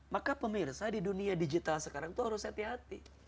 maka pemirsa di dunia digital sekarang itu harus hati hati